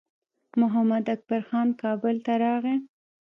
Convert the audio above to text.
محمداکبر خان کابل ته راغی.